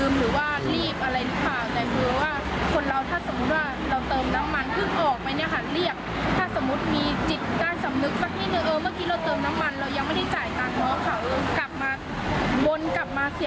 ไม่ใช่ว่าหายไปแบบนี้เลย